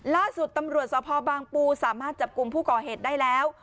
ล่าสุดตำรวจสภบางปูสามารถจับกลุ่มผู้ก่อเหตุได้แล้ว